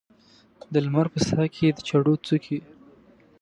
د لمر په ساه کې د چړو څوکې